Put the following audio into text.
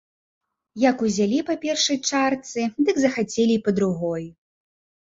Як узялі па першай чарцы, дык захацелі і па другой.